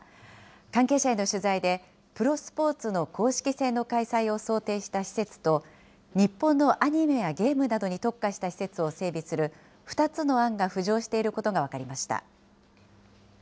関係者への取材で、プロスポーツの公式戦の開催を想定した施設と、日本のアニメやゲームなどに特化した施設を整備する、２つの案が浮上していることが分かりました。